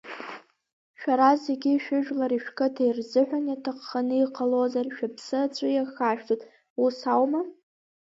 Шәара зегьы шәыжәлари шәқыҭеи рзыҳәан иаҭахханы иҟалозар шәыԥсы аҵәы иахашәҵоит, ус аума?